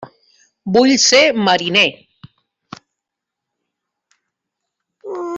Vull ser mariner!